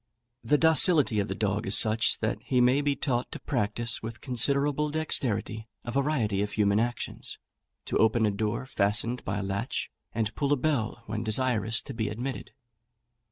The docility of the dog is such, that he may be taught to practise with considerable dexterity a variety of human actions: to open a door fastened by a latch, and pull a bell when desirous to be admitted.